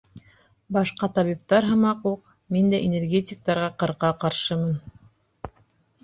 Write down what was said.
Башҡа табиптар һымаҡ уҡ, мин дә энергетиктарға ҡырҡа ҡаршымын.